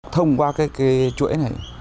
thông qua cái chuỗi này